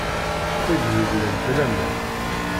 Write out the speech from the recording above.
Tetteg deg-went laman.